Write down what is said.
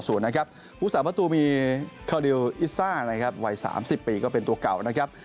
ภูมิศาสตร์ประตูมีคาริวอิซซ่าวัย๓๐ปีก็เป็นตัวเก่านะครับ